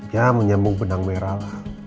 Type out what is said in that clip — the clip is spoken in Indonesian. ya menyambung benang merah lah